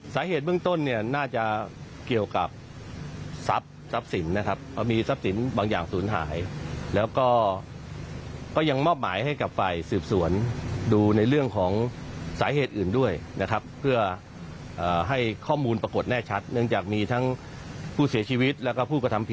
แต่ทีนี้ที่หลายอย่างในปากคำเนี่ย